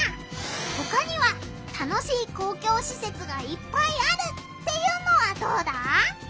ほかには楽しい公共しせつがいっぱいあるっていうのはどうだ？